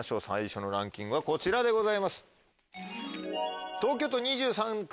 最初のランキングはこちらでございます。